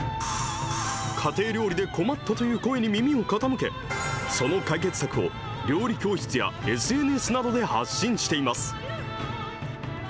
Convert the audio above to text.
家庭料理で困ったという声に耳を傾け、その解決策を、料理教室やＳＮＳなどで発信しています。